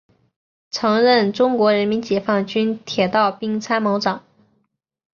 曾任中国人民解放军铁道兵参谋长。